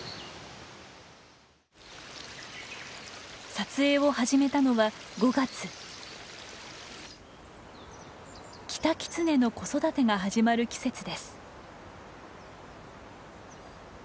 撮影を始めたのはキタキツネの子育てが始まる季節です。